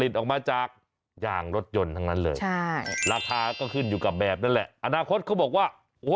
ออกมาจากยางรถยนต์ทั้งนั้นเลยใช่ราคาก็ขึ้นอยู่กับแบบนั่นแหละอนาคตเขาบอกว่าโอ้โห